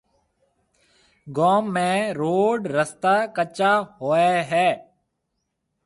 گوم ۾ روڊ رستا ڪَچا هوئي هيَ۔